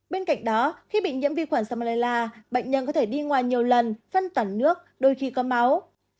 bên cạnh đó khi bị nhiễm vi khuẩn salmella bệnh nhân có thể đi ngoài nhiều lần phân tẩn nước đôi khi có máu